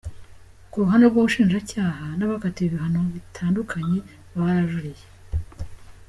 Ku ruhande rw’ubushinjacyaha n’abakatiwe ibihano bitandukanye barajuriye.